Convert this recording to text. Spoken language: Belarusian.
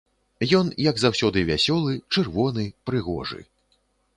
Ён, як заўсёды, вясёлы, чырвоны, прыгожы.